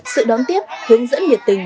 sự đón tiếp hướng dẫn nhiệt tình